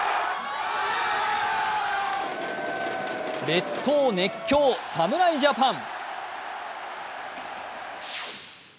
列島熱狂、侍ジャパン！